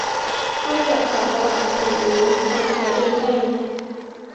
ถ้าจะขาดตลาดขนาดนี้ ทำใช้เองแม่ง